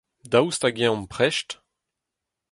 Daoust hag-eñ omp prest ?